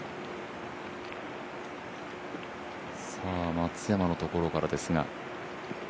松山のところからですが。